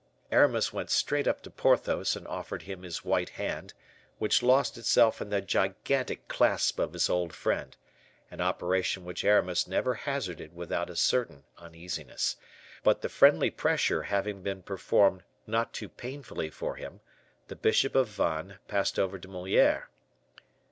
Aramis went straight up to Porthos and offered him his white hand, which lost itself in the gigantic clasp of his old friend, an operation which Aramis never hazarded without a certain uneasiness. But the friendly pressure having been performed not too painfully for him, the bishop of Vannes passed over to Moliere.